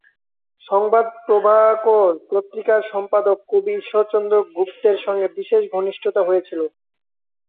সংবাদ প্রভাকর পত্রিকার সম্পাদক কবি ঈশ্বরচন্দ্র গুপ্তের সঙ্গে বিশেষ ঘনিষ্ঠতা হয়েছিল।